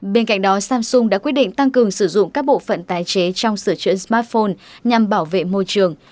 bên cạnh đó samsung đã quyết định tăng cường sử dụng các bộ phận tái chế trong sửa chữa smartphone nhằm bảo vệ môi trường